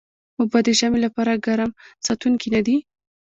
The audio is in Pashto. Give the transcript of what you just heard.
اوبه د ژمي لپاره ګرم ساتونکي نه دي